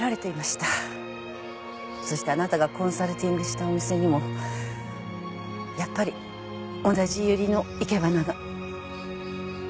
そしてあなたがコンサルティングしたお店にもやっぱり同じユリの生け花が。